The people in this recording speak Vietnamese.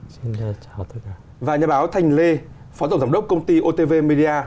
xin chào tất cả